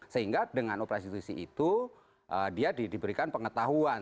sehingga dengan operasi justi itu dia diberikan pengetahuan